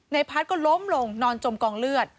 พัฒน์ก็ล้มลงนอนจมกองเลือด